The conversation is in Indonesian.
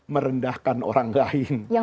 merendahkan orang lain